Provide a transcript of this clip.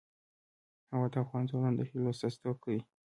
هوا د افغان ځوانانو د هیلو استازیتوب کوي.